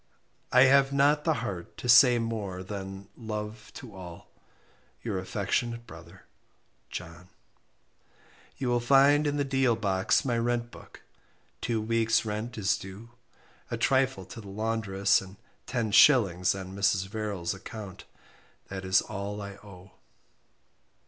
I have not the heart to say more than love to all. Your affectionate brother JOHN." "You will find in the deal box my rent book 2 weeks rent is due, a trifle to the laundress, and 10s. on Mr. Verrall's acc't that is all I owe."